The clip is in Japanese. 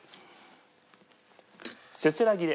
せせらぎで。